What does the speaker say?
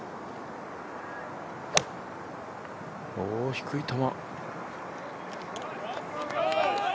低い球。